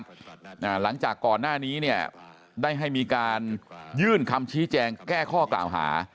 หลังจากก่อนหน้านี้เนี่ยได้ให้มีการยื่นคำชี้แจงแก้ข้อกล่าวหา